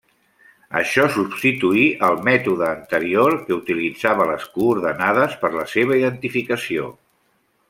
Això substituí el mètode anterior que utilitzava les coordenades per la seva identificació.